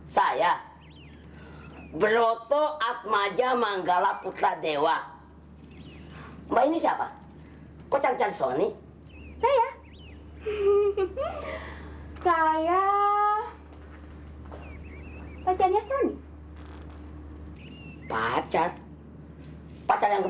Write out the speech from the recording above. saya beroto atmaja manggala putra dewa mbak ini siapa kocang cang sony saya beroto atmaja manggala putra dewa mbak ini siapa kocang cang sony